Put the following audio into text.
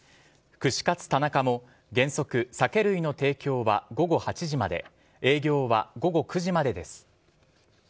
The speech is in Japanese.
串カツ田中も原則、酒類の提供は午後８時まで営業は午後９時までです。